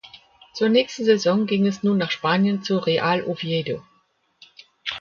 Zur nächsten Saison ging es nun nach Spanien zu Real Oviedo.